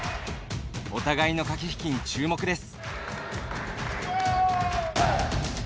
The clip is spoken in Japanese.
お互いの駆け引きに注目です。